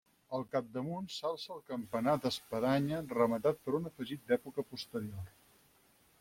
Al capdamunt s'alça el campanar d'espadanya rematat per un afegit d'època posterior.